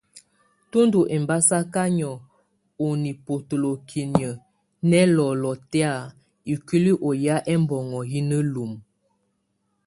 Tù ndù ɛmbasaka nìɔ̂ɔ ù nibotolokiniǝ́ nɛ ɛlɔlɔ tɛ̀á ikuili ù yá ɛmnoŋɔ yɛ na lumǝ.